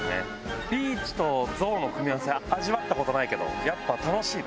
ビーチと象の組み合わせ味わったことないけどやっぱ楽しいね。